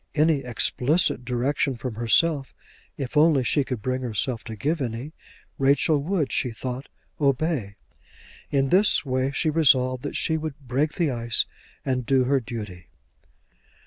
Any explicit direction from herself, if only she could bring herself to give any, Rachel would, she thought, obey. In this way she resolved that she would break the ice and do her duty.